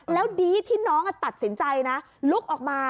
แล้วดีที่น้องตัดสินใจนะลุกออกมา